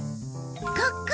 ここ！